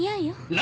何！